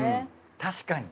確かに。